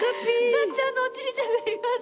さっちゃんのおチビちゃんがいます